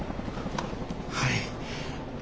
はい。